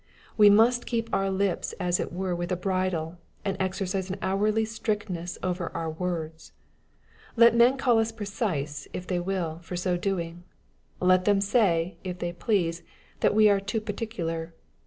— We must keep our lips as it were with a bridle, and exercise an hourly strictness over our words. — ^Let men call us precise, if they will, for so doing. Let them say, if they please, that we are " too particular."